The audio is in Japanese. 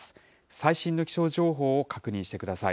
最新の気象情報を確認してください。